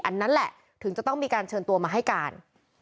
นั่นแหละถึงจะต้องมีการเชิญตัวมาให้การ